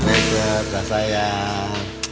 sampai jumpa sayang